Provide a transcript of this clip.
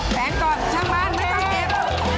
แสนก่อนช่างบ้านไม่ต้องเก็บ